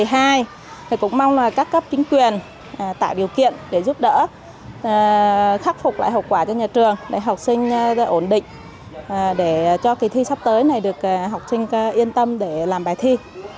hai cũng mong là các cấp chính quyền tạo điều kiện để giúp đỡ khắc phục lại hậu quả cho nhà trường để học sinh ổn định để cho kỳ thi sắp tới này được học sinh yên tâm để làm bài thi